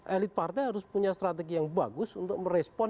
elit partai harus punya strategi yang bagus untuk merespon